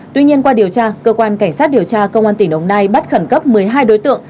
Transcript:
tuy nhiên qua điều tra cơ quan cảnh sát điều tra công an tỉnh đồng nai bắt khẩn cấp một mươi hai đối tượng